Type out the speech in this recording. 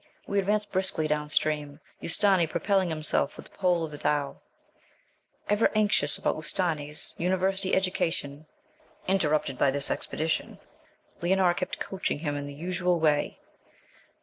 We advanced briskly down stream, Ustâni propelling himself with the pole of the dhow. Ever anxious about Ustâni's University education (interrupted by this expedition), Leonora kept 'coaching' him in the usual way.